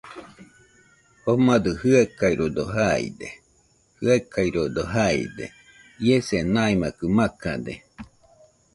Jomadɨ jɨaɨkaɨrodo jaide, jaɨkaɨrodo jaide. Iese maimakɨ makade.